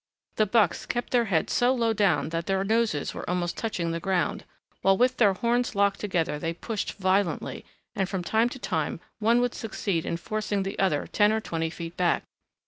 The bucks kept their heads so low down that their noses were almost touching the ground, while with their horns locked together they pushed violently, and from time to time one would succeed in forcing the other ten or twenty feet back.